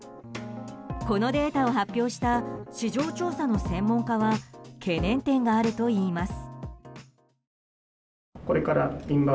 このデータを発表した市場調査の専門家は懸念点があるといいます。